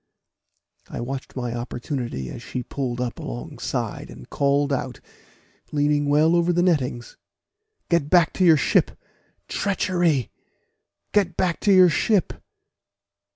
I watched my opportunity as she pulled up alongside, and called out, leaning well over the nettings, "Get back to your ship! treachery! get back to your ship!"